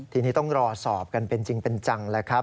ทีนี้ต้องรอสอบกันเป็นจริงเป็นจังแล้วครับ